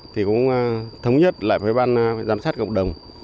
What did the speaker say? thì cũng thống nhất lại với ban giám sát cộng đồng